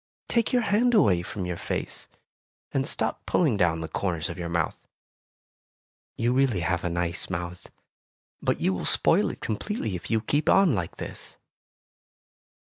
"Take your hand away from your face, and stop pulling down the corners of your mouth. You really have a nice mouth, but you will spoil it completely if you keep on like this.